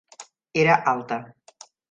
Era alta.